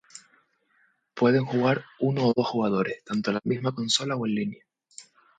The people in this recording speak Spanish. Pueden jugar uno o dos jugadores, tanto en la misma consola o en línea.